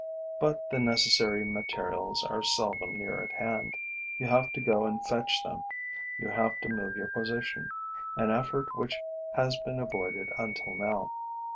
But the necessary materials are seldom near at hand: you have to go and fetch them, you have to move your position, an effort which has been avoided until now.